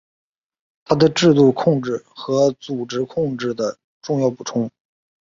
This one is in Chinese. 它是制度控制和组织控制的重要补充。